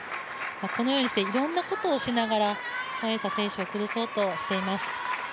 このようにして、いろんなことをしながら、孫エイ莎選手を崩そうとしています。